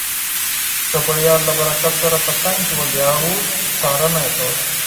چوپړوال له کټ سره په څنګ کې ولاړ و، څارنه یې کوله.